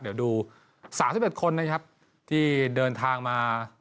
เดี๋ยวดู๓๑คนนะครับที่เดินทางมา